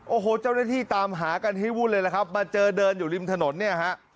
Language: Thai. โอ้โหเจ้าหน้าที่ตามหากันให้วุ่นเลยล่ะครับมาเจอเดินอยู่ริมถนนเนี่ยฮะ